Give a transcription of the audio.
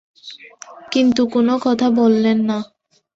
কিন্তু কোনো কথা বললেন না।